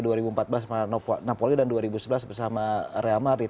di dua ribu empat belas sama napoli dan di dua ribu sebelas bersama real madrid